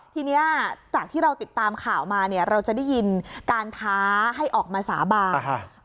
ทีนี้จากที่เราติดตามข่าวมาเนี่ยเราจะได้ยินการท้าให้ออกมาสาบาน